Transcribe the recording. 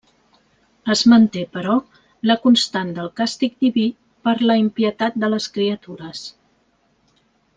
Es manté, però, la constant del càstig diví per la impietat de les criatures.